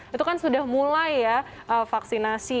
itu kan sudah mulai ya vaksinasi